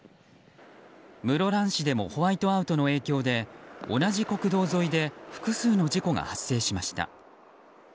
室蘭市でもホワイトアウトの影響で同じ国道沿いで複数の事故が発生しました。